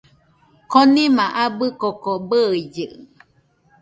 Konima abɨ koko bɨillɨ